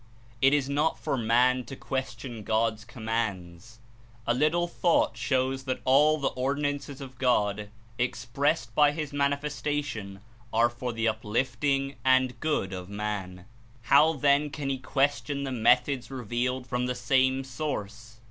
It is not for man to question God's commands. A little thought shows that all the ordinances of God, expressed by his Manifestation, are for the uplifting and Obedience good of man; how then can he question the methods revealed from the same Source?